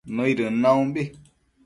nëidën naumbi